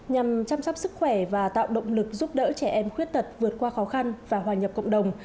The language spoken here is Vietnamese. nhằm chăm sóc sức khỏe và tạo động lực giúp đỡ trẻ em khuyết tật vượt qua khó khăn và hòa nhập cộng đồng